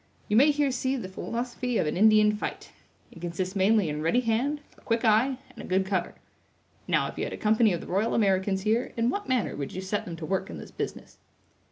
You may here see the philosophy of an Indian fight. It consists mainly in ready hand, a quick eye and a good cover. Now, if you had a company of the Royal Americans here, in what manner would you set them to work in this business?"